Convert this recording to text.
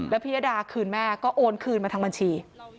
พิยดาคืนแม่ก็โอนคืนมาทางบัญชี